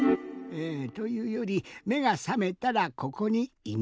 というよりめがさめたらここにいました。